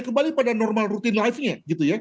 kembali pada normal rutin live nya gitu ya